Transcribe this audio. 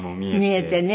見えてね